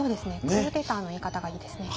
クーデターの言い方がいいですね。